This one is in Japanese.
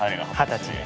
二十歳で。